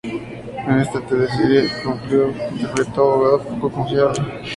En esta teleserie, Claudio interpretó a un abogado poco confiable.